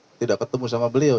saya tidak ketemu sama beliau